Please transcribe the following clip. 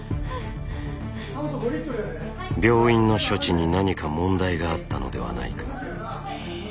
病院の処置に何か問題があったのではないか。